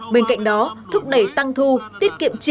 bên cạnh đó thúc đẩy tăng thu tiết kiệm chi